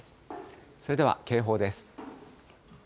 それでは警報です。